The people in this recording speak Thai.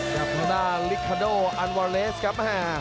ทหัวท่านลิคาโดอัลวัลเลสครับ